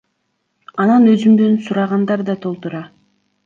Анан өзүмдөн сурагандар да толтура.